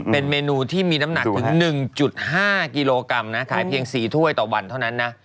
เป็นเมนูที่มีน้ำหนักถึง๑๕กิโลกรัมนะขายเพียง๔ถ้วยต่อวันเท่านั้นนะ